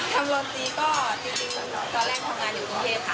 รวมตีก็จริงตอนแรกทำงานอยู่กรุงเทพค่ะ